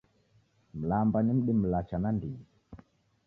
Mlamba ni mdi mlacha nandighi